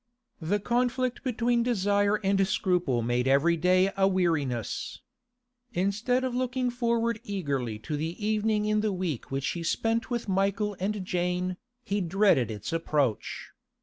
The conflict between desire and scruple made every day a weariness. Instead of looking forward eagerly to the evening in the week which he spent with Michael and Jane, he dreaded its approach.